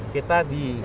kita di bukit tengah